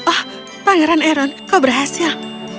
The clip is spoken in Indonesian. oh pangeran eron kau berhasil